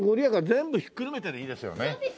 全部ひっくるめてでいいですよね。